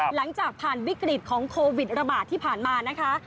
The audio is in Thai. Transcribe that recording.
หลังจากผ่านวิกฤตของโควิดระบาดที่ผ่านมานะคะ